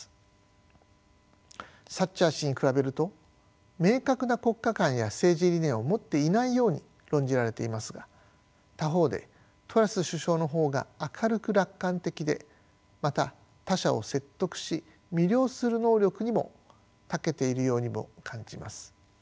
サッチャー氏に比べると明確な国家観や政治理念を持っていないように論じられていますが他方でトラス首相の方が明るく楽観的でまた他者を説得し魅了する能力にもたけているようにも感じます。